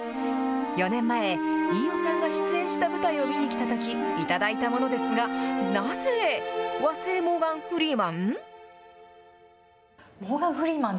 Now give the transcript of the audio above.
４年前、飯尾さんが出演した舞台を見に来たとき、頂いたものですが、なぜ、和製モーガン・フリーマン？